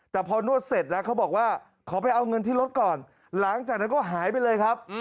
แต่พอนวดเสร็จแล้วเขาบอกว่าขอไปเอาเงินที่รถก่อนหลังจากนั้นก็หายไปเลยครับ